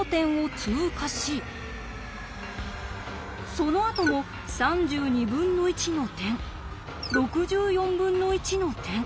そのあとも３２分の１の点６４分の１の点。